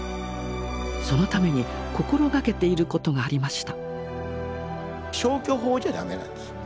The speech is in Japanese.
そのために心がけていることがありました。